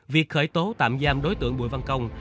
việc khởi tố tạm giam đối tượng bùi văn công